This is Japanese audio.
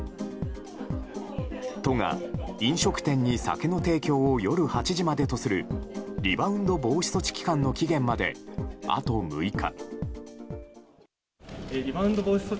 都が飲食店に酒の提供を夜８時までとするリバウンド防止措置期間の期限まで、あと６日。